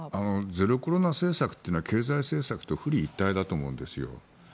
ゼロコロナ政策というのは経済政策と表裏一体だと思うんです。